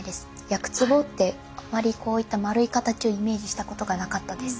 薬壺ってあまりこういった丸い形をイメージしたことがなかったです。